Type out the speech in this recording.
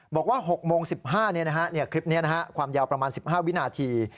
บอกว่า๖โมง๑๕คลิปนี้ความยาวประมาณ๑๕วินาที